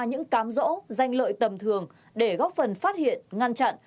những cám rỗ danh lợi tầm thường để góp phần phát hiện ngăn chặn